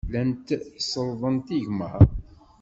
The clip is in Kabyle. Llant sellḍent igmaḍ.